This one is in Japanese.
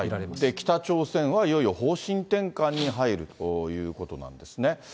北朝鮮はいよいよ方針転換に入るということなんですね。